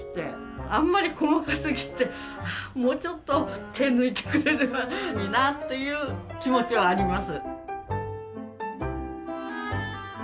あんまり細かすぎてもうちょっと手抜いてくれればいいなっていう気持ちはあります。